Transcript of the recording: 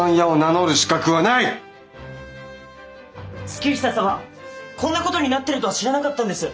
月下様こんなことになっているとは知らなかったんです！